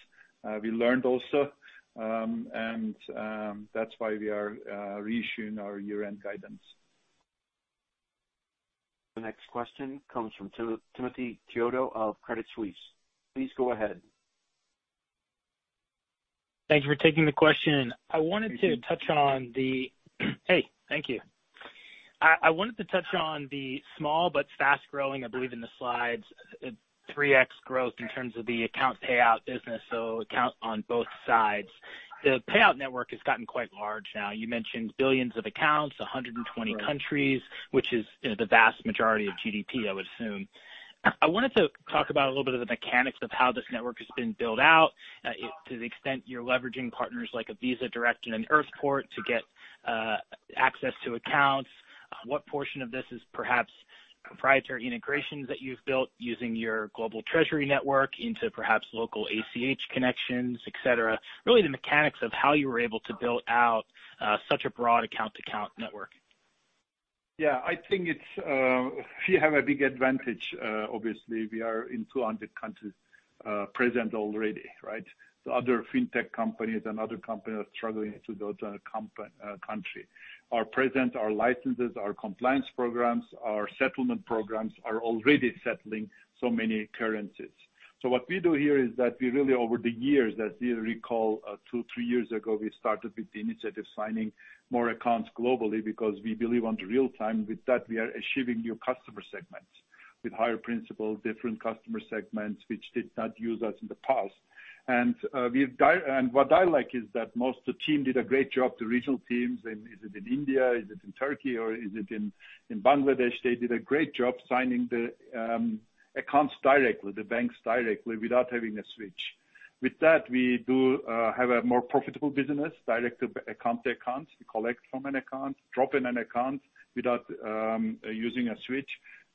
We learned also, and that's why we are reissuing our year-end guidance. The next question comes from Timothy Chiodo of Credit Suisse. Please go ahead. Thank you for taking the question. Hey, thank you. I wanted to touch on the small but fast-growing, I believe in the slides, 3x growth in terms of the account payout business, so account on both sides. The payout network has gotten quite large now. You mentioned billions of accounts, 120 countries, which is the vast majority of GDP, I would assume. I wanted to talk about a little bit of the mechanics of how this network has been built out to the extent you're leveraging partners like a Visa Direct and Earthport to get access to accounts. What portion of this is perhaps proprietary integrations that you've built using your global treasury network into perhaps local ACH connections, et cetera? Really, the mechanics of how you were able to build out such a broad account-to-account network. Yeah, I think we have a big advantage. Obviously, we are in 200 countries present already, right? Other fintech companies and other companies are struggling to go to a country. Our presence, our licenses, our compliance programs, our settlement programs are already settling so many currencies. What we do here is that we really, over the years, as you recall, two, three years ago, we started with the initiative signing more accounts globally because we believe on real time. With that, we are achieving new customer segments with higher principal, different customer segments which did not use us in the past. What I like is that most of the team did a great job, the regional teams, and is it in India, is it in Turkey, or is it in Bangladesh? They did a great job signing the accounts directly, the banks directly, without having a switch. With that, we do have a more profitable business, direct account-to-account. We collect from an account, drop in an account without using a switch.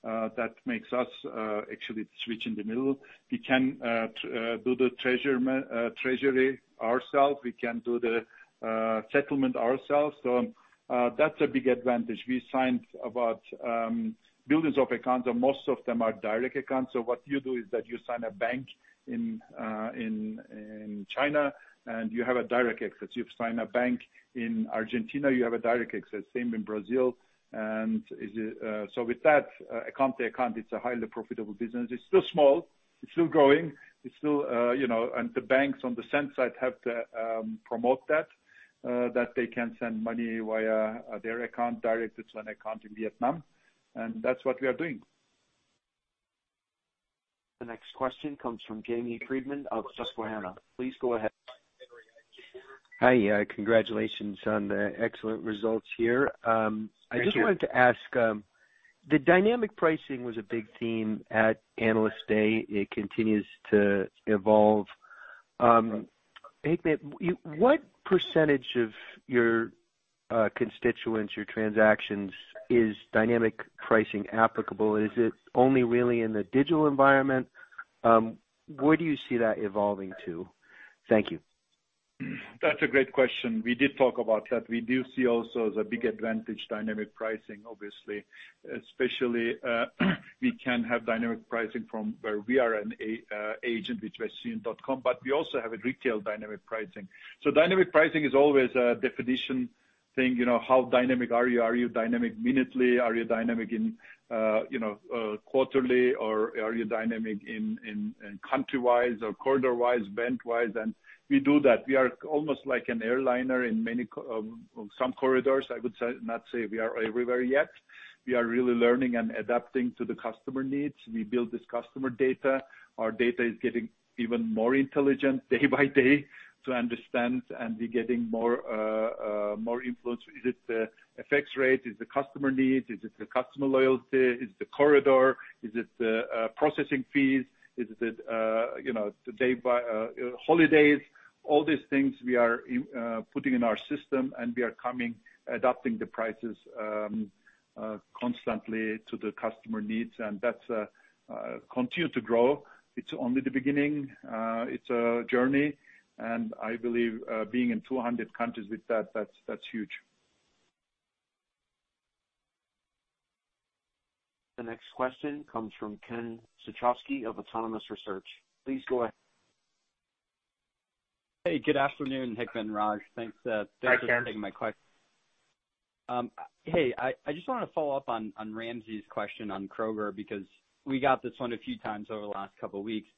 That makes us actually the switch in the middle. We can do the treasury ourself, we can do the settlement ourselves. That's a big advantage. We signed about billions of accounts, and most of them are direct accounts. What you do is that you sign a bank in China, and you have a direct access. You sign a bank in Argentina, you have a direct access. Same in Brazil. With that account-to-account, it's a highly profitable business. It's still small, it's still growing. The banks on the send side have to promote that they can send money via their account directly to an account in Vietnam. That's what we are doing. The next question comes from Jamie Friedman of Susquehanna. Please go ahead. Hi. Congratulations on the excellent results here. Thank you. I just wanted to ask, the dynamic pricing was a big theme at Analyst Day. It continues to evolve. Hikmet, what percentage of your constituents, your transactions, is dynamic pricing applicable? Is it only really in the digital environment? Where do you see that evolving to? Thank you. That's a great question. We did talk about that. We do see also as a big advantage, dynamic pricing, obviously, especially we can have dynamic pricing from where we are an agent, which westernunion.com, but we also have a retail dynamic pricing. Dynamic pricing is always a definition thing. How dynamic are you? Are you dynamic minutely? Are you dynamic in quarterly or are you dynamic in country-wise or corridor-wise, bank-wise? We do that. We are almost like an airliner in some corridors. I would not say we are everywhere yet. We are really learning and adapting to the customer needs. We build this customer data. Our data is getting even more intelligent day by day to understand, and we're getting more influence. Is it the effects rate? Is it the customer needs? Is it the customer loyalty? Is it the corridor? Is it the processing fees? Is it holidays? All these things we are putting in our system, and we are adapting the prices constantly to the customer needs, and that continue to grow. It's only the beginning. It's a journey, and I believe being in 200 countries with that's huge. The next question comes from Ken Suchoski of Autonomous Research. Please go ahead. Hey, good afternoon, Hikmet and Raj. Thanks. Hi, Ken. Hey, I just want to follow up on Ramsey's question on Kroger, because we got this one a few times over the last couple of weeks.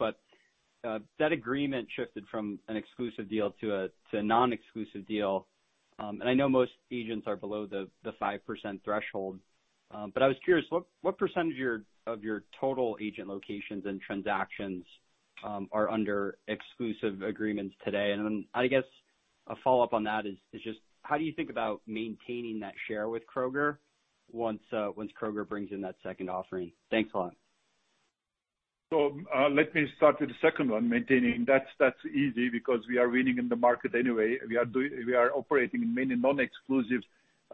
That agreement shifted from an exclusive deal to a non-exclusive deal, and I know most agents are below the 5% threshold. I was curious, what percentage of your total agent locations and transactions are under exclusive agreements today? I guess a follow-up on that is just, how do you think about maintaining that share with Kroger once Kroger brings in that second offering? Thanks a lot. Let me start with the second one, maintaining. That's easy because we are winning in the market anyway. We are operating in many non-exclusive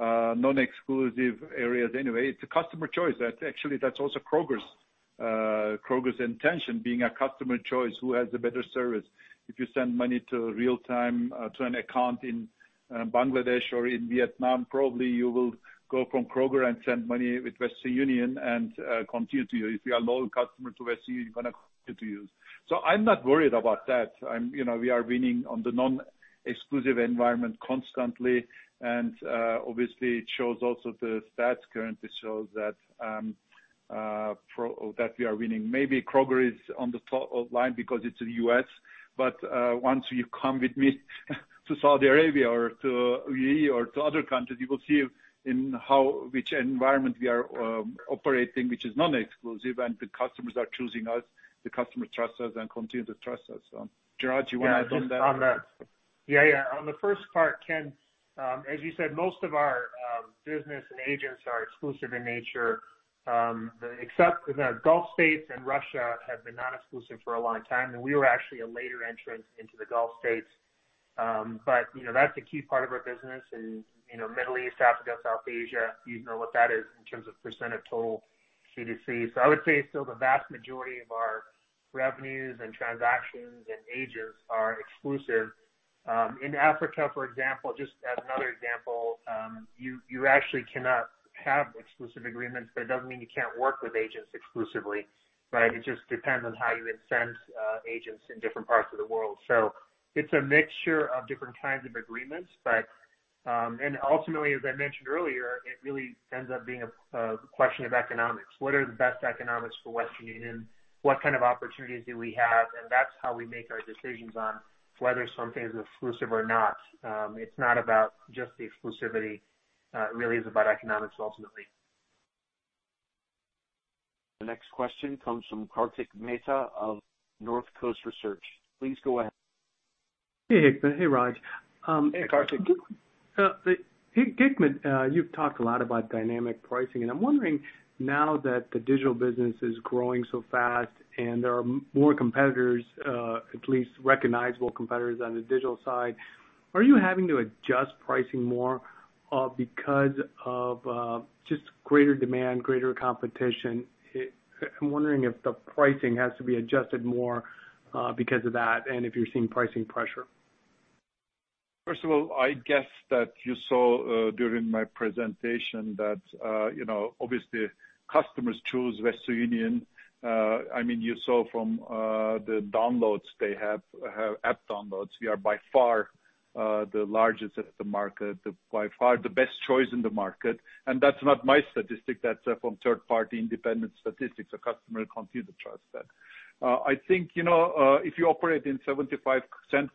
areas anyway. It's a customer choice. That's also Kroger's intention, being a customer choice who has a better service. If you send money to real time to an account in Bangladesh or in Vietnam, probably you will go from Kroger and send money with Western Union and continue to. If you are a loyal customer to Western Union, you're going to continue to use. I'm not worried about that. We are winning on the non-exclusive environment constantly, and obviously, it shows also the stats currently shows that we are winning. Maybe Kroger is on the top of line because it's in the U.S., but once you come with me to Saudi Arabia or to UAE or to other countries, you will see in which environment we are operating, which is non-exclusive, and the customers are choosing us. The customers trust us and continue to trust us. Raj, do you want to add on that? Yeah. On the first part, Ken, as you said, most of our business and agents are exclusive in nature. The Gulf States and Russia have been non-exclusive for a long time, and we were actually a later entrant into the Gulf States. That's a key part of our business in Middle East, Africa, South Asia. You know what that is in terms of percent of total C2C. I would say still the vast majority of our revenues and transactions and agents are exclusive. In Africa, for example, just as another example, you actually cannot have exclusive agreements, but it doesn't mean you can't work with agents exclusively, right? It just depends on how you incent agents in different parts of the world. It's a mixture of different kinds of agreements. Ultimately, as I mentioned earlier, it really ends up being a question of economics. What are the best economics for Western Union? What kind of opportunities do we have? That's how we make our decisions on whether something is exclusive or not. It's not about just the exclusivity. It really is about economics, ultimately. The next question comes from Kartik Mehta of Northcoast Research. Please go ahead. Hey, Hikmet. Hey, Raj. Hey, Kartik. Hikmet, you've talked a lot about dynamic pricing, and I'm wondering now that the digital business is growing so fast and there are more competitors, at least recognizable competitors on the digital side, are you having to adjust pricing more because of just greater demand, greater competition? I'm wondering if the pricing has to be adjusted more because of that, and if you're seeing pricing pressure. First of all, I guess that you saw during my presentation that obviously customers choose Western Union. You saw from the downloads they have, app downloads, we are by far the largest at the market, by far the best choice in the market. That's not my statistic, that's from third-party independent statistics. The customer continue to trust that. I think if you operate in 75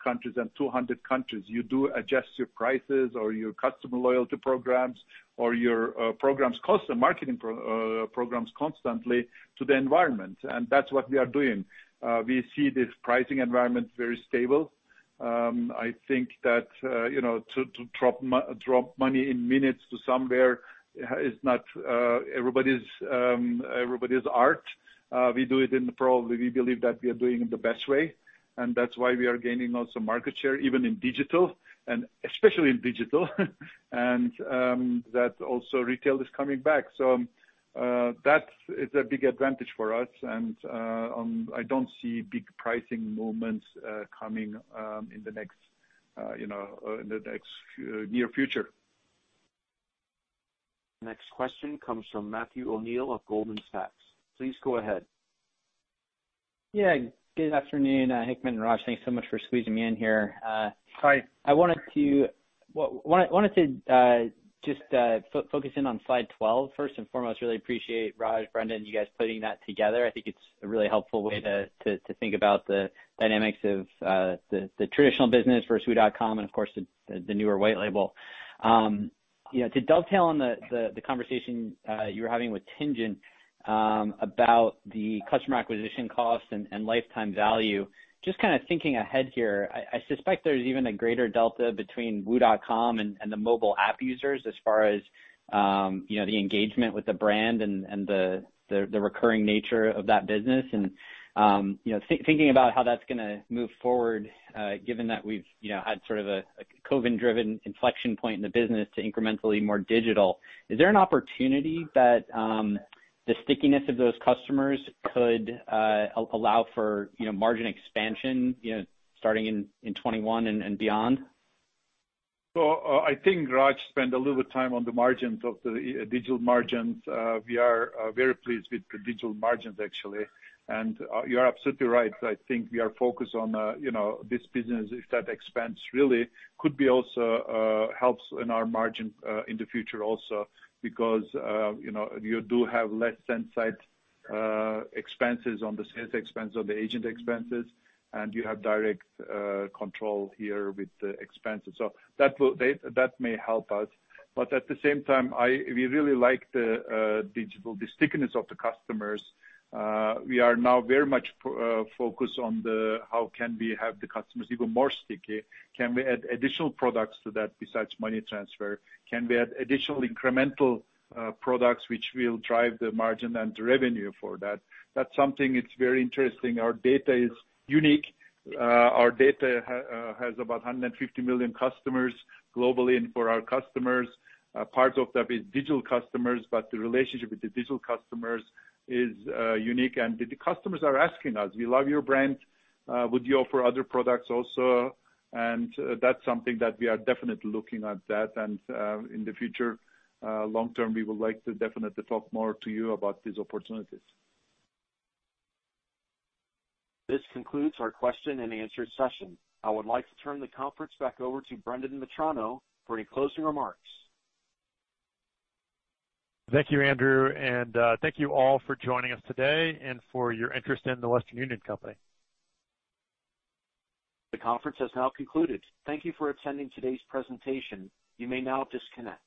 countries and 200 countries, you do adjust your prices or your customer loyalty programs or your programs cost, the marketing programs constantly to the environment, and that's what we are doing. We see this pricing environment very stable. I think that to drop money in minutes to somewhere is not everybody's art. We do it and probably we believe that we are doing it the best way, and that's why we are gaining also market share, even in digital, and especially in digital. That also retail is coming back. That is a big advantage for us. I don't see big pricing movements coming in the next near future. Next question comes from Matthew O'Neill of Goldman Sachs. Please go ahead. Yeah. Good afternoon, Hikmet and Raj. Thanks so much for squeezing me in here. Hi. I wanted to just focus in on slide 12, first and foremost. Really appreciate Raj, Brendan, you guys putting that together. I think it's a really helpful way to think about the dynamics of the traditional business for wu.com, and of course, the newer white label. To dovetail on the conversation you were having with Tien-Tsin about the customer acquisition costs and lifetime value, just kind of thinking ahead here, I suspect there's even a greater delta between wu.com and the mobile app users as far as the engagement with the brand and the recurring nature of that business. Thinking about how that's going to move forward, given that we've had sort of a COVID-driven inflection point in the business to incrementally more digital, is there an opportunity that the stickiness of those customers could allow for margin expansion starting in 2021 and beyond? I think Raj spent a little bit time on the margins of the digital margins. We are very pleased with the digital margins, actually. You're absolutely right. I think we are focused on this business. If that expands, really could be also helps in our margin in the future also because you do have less inside expenses on the sales expense, on the agent expenses, and you have direct control here with the expenses. That may help us. At the same time, we really like the digital, the stickiness of the customers. We are now very much focused on the how can we have the customers even more sticky. Can we add additional products to that besides money transfer? Can we add additional incremental products which will drive the margin and the revenue for that? That's something it's very interesting. Our data is unique. Our data has about 150 million customers globally. For our customers, part of that is digital customers, but the relationship with the digital customers is unique. The customers are asking us, "We love your brand. Would you offer other products also?" That's something that we are definitely looking at that. In the future, long term, we would like to definitely talk more to you about these opportunities. This concludes our question and answer session. I would like to turn the conference back over to Brendan Metrano for any closing remarks. Thank you, Andrew, and thank you all for joining us today and for your interest in The Western Union Company. The conference has now concluded. Thank you for attending today's presentation. You may now disconnect.